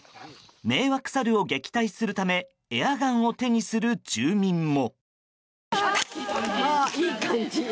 迷惑サルを撃退するためエアガンを手にする住民も。